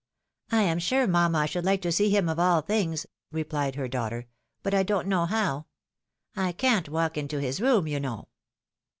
" I am sure, mamma, I should like to see him of aU things," replied her daughter ;" but I don't know how. I can't walk into his room, you know."